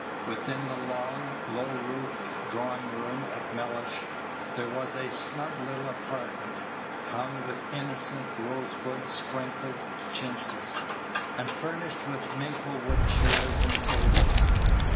Within the long, low roofed drawing room at Mellish there was a snug little apartment, hung with innocent rosebud sprinkled chintzes, and furnished with maple wood chairs and tables.